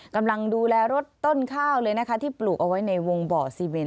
กำลังดูแลรถต้นข้าวเลยนะคะที่ปลูกเอาไว้ในวงบ่อซีเวน